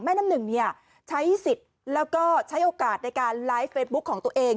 น้ำหนึ่งใช้สิทธิ์แล้วก็ใช้โอกาสในการไลฟ์เฟซบุ๊คของตัวเอง